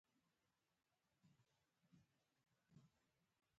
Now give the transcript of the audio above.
هډوکي وزن برداشت کوي.